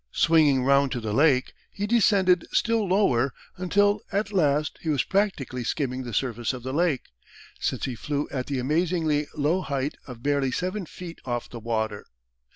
Swinging round to the Lake he descended still lower until at last he was practically skimming the surface of the Lake, since he flew at the amazingly low height of barely seven feet off the water.